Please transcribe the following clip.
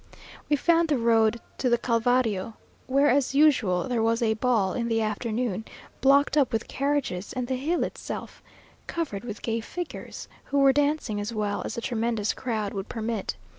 We found the road to the Calvario, where, as usual, there was a ball in the afternoon, blocked up with carriages, and the hill itself covered with gay figures; who were dancing as well as the tremendous crowd would permit.